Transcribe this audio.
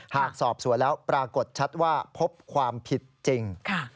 หากสอบสวนแล้วปรากฏชัดว่าพบความผิดจริง